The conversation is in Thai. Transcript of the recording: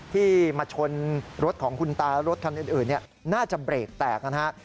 ที่มาชนรถของคุณตารถคันอื่นน่าจะเบรกแตกนะฮะ